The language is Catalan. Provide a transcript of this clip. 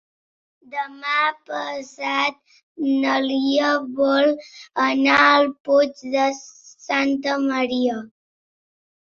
Demà passat na Lia vol anar al Puig de Santa Maria.